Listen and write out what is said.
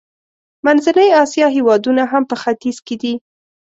منځنۍ اسیا هېوادونه هم په ختیځ کې دي.